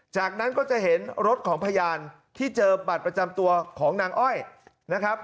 จากนั้นก็จะเห็นรถของพยานที่เจอบัตรประจำตัวของนางอ้อยนะครับ